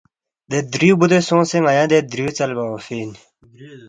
دے درِیُو بُودے سونگسے ن٘یا دے دَریُو ژَلے اونگفی اِن